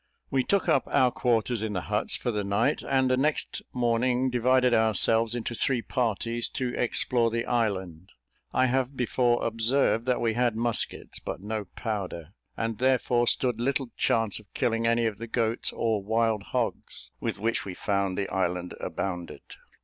We took up our quarters in the huts for the night, and the next morning divided ourselves into three parties, to explore the island. I have before observed that we had muskets, but no powder, and therefore stood little chance of killing any of the goats or wild hogs, with which we found the island abounded.